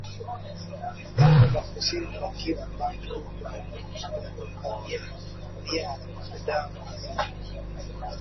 Jimbo la kusini ya kivu bantu abalimaki bya kurya na dawa